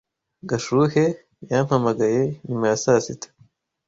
Gashuhe yampamagaye nyuma ya saa sita.